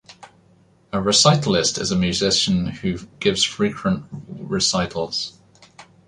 A recitalist is a musician who gives frequent recitals.